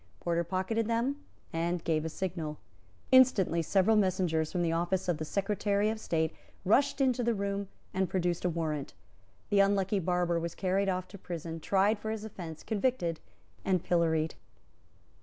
Porter pocketed them, and gave a signal. Instantly several messengers from the office of the Secretary of State rushed into the room, and produced a warrant. The unlucky barber was carried off to prison, tried for his offence, convicted and pilloried.